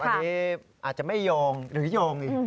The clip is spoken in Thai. อันนี้อาจจะไม่โยงหรือโยงอีก